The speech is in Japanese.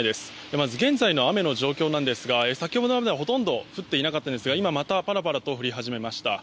まず現在の雨の状況ですが先ほどまでは、ほとんど降っていなかったんですが今、またパラパラと降り始めました。